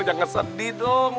jangan ngesedih dong